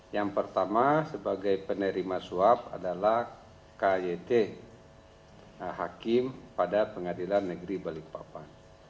yang pertama sebagai penerima suap adalah kyt hakim pada pengadilan negeri balikpapan